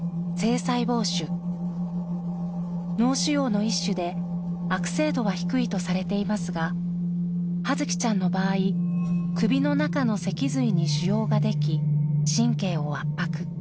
脳腫瘍の一種で悪性度は低いとされていますが葉月ちゃんの場合首の中の脊髄に腫瘍ができ神経を圧迫。